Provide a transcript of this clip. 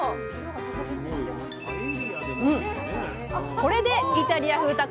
これでイタリア風たこ